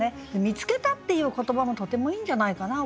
「見つけた」っていう言葉もとてもいいんじゃないかな。